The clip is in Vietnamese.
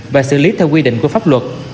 và xử lý theo quy định của pháp luật